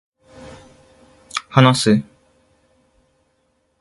話す、